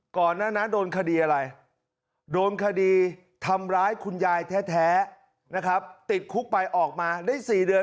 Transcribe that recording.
ก่อนนั้นนะโดนคดีอะไรโดนคดีทำร้ายคุณยายแท้นะครับติดคุกไปออกมาได้๔เดือน